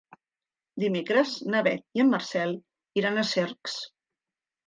Dimecres na Beth i en Marcel iran a Cercs.